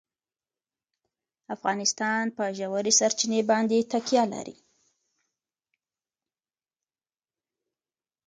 افغانستان په ژورې سرچینې باندې تکیه لري.